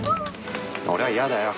俺は嫌だよ。